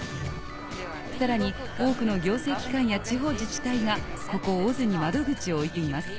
さらに多くの行政機関や地方自治体がここＯＺに窓口を置いています。